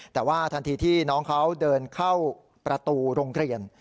แต่ว่าทันทีที่น้องเขาเดินเข้าประตูโรงเรียน